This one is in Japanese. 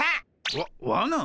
わわな？